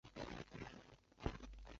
刺子莞属是莎草科下的一个属。